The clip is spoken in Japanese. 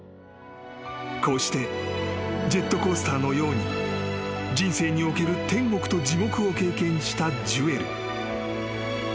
［こうしてジェットコースターのように人生における天国と地獄を経験したジュエル］